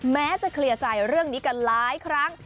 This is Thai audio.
แม้จะเคลียร์ใจเรื่องนี้กันหลายครั้ง